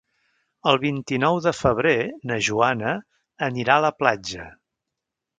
El vint-i-nou de febrer na Joana anirà a la platja.